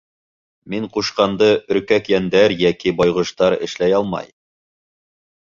Мин ҡушҡанды өркәк йәндәр йәки байғоштар эшләй алмай!